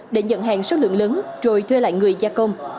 để nhận hàng số lượng lớn rồi thuê lại người gia công